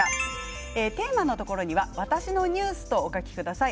テーマのところには「わたしのニュース」とお書きください。